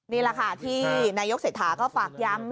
นี่แหละค่ะที่นายกเศรษฐาก็ฝากย้ำ